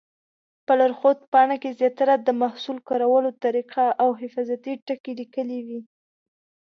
په لارښود پاڼه کې زیاتره د محصول کارولو طریقه او حفاظتي ټکي لیکلي وي.